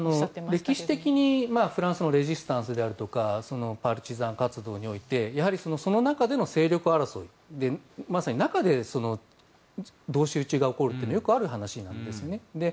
歴史的にフランスのレジスタンスであるとかパルチザン活動においてその中での勢力争いでまさに中で同士討ちが起こるというのはよくある話なんですね。